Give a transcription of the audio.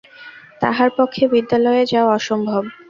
তাহার পক্ষে বিদ্যালয়ে যাওয়া অসম্ভব।